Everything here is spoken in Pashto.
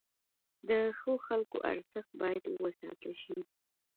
د ښو خلکو ارزښت باید وساتل شي.